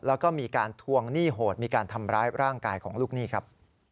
แล้วก็มีการทวงหนี้โหดมีการทำร้ายร่างกายของลูกหนี้ครับ